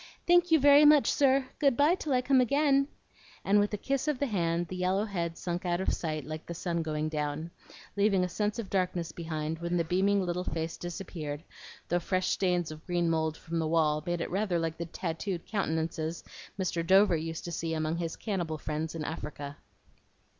Thank you very much, sir. Good by till I come again;" and with a kiss of the hand, the yellow head sunk out of sight like the sun going down, leaving a sense of darkness behind when the beaming little face disappeared, though fresh stains of green mould from the wall made it rather like the tattooed countenances Mr. Dover used to see among his cannibal friends in Africa.